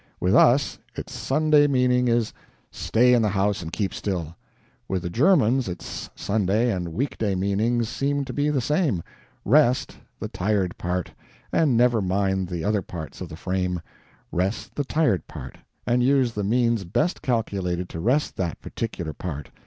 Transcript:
With us, its Sunday meaning is, stay in the house and keep still; with the Germans its Sunday and week day meanings seem to be the same rest the TIRED PART, and never mind the other parts of the frame; rest the tired part, and use the means best calculated to rest that particular part.